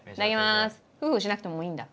ふふしなくてもういいんだ。